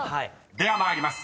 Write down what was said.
［では参ります］